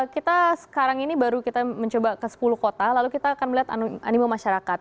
kita sekarang ini baru kita mencoba ke sepuluh kota lalu kita akan melihat animo masyarakat